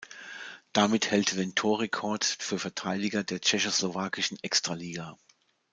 Damit hält er den Torrekord für Verteidiger der tschechoslowakischen Extraliga.